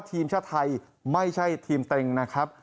ทีมชาติไทยไม่ใช่ทีมเต็งนะครับ